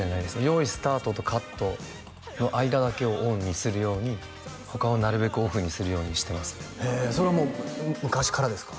用意スタートとカットの間だけをオンにするように他をなるべくオフにするようにしてますねへえそれはもう昔からですか？